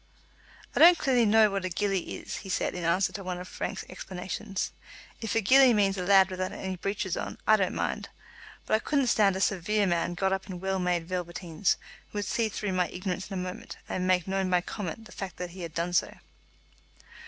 "I don't clearly know what a gillie is," he said, in answer to one of Frank's explanations. "If a gillie means a lad without any breeches on, I don't mind; but I couldn't stand a severe man got up in well made velveteens, who would see through my ignorance in a moment, and make known by comment the fact that he had done so."